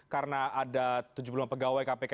karena ada tujuh puluh lima pegawai kpk